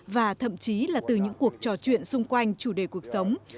và thậm chí là từ những cuộc trò chuyện xung quanh chủ đề cuộc sống